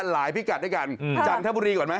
พิกัดด้วยกันจันทบุรีก่อนไหม